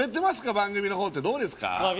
番組のほうってどうですか？